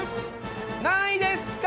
何位ですか？